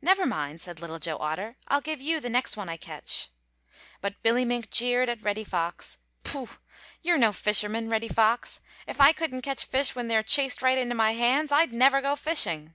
"Never mind," said Little Joe Otter, "I'll give you the next one I catch." But Billy Mink jeered at Reddy Fox. "Pooh! you're no fisherman, Reddy Fox! If I couldn't catch fish when they are chased right into my hands I'd never go fishing."